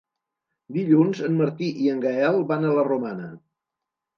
Dilluns en Martí i en Gaël van a la Romana.